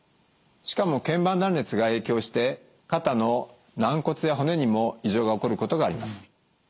しかも腱板断裂が影響して肩の軟骨や骨にも異常が起こることがあります。